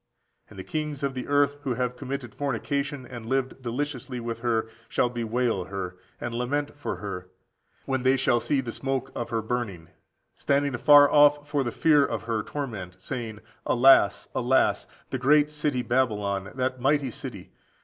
And the kings of the earth, who have committed fornication, and lived deliciously with her, shall bewail her, and lament for her, when they shall see the smoke of her burning, standing afar off for the fear of her torment, saying, Alas, alas! that great city Babylon, that mighty city!